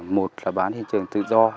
một là bán thị trường tự do